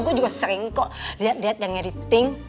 gua juga sering kok liat liat yang editing